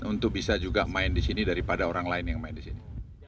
untuk bisa juga main di sini daripada orang lain yang main di sini